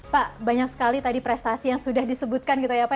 pak banyak sekali tadi prestasi yang sudah disebutkan gitu ya pak